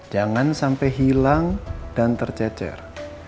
jangan sampai hilang dan tercecer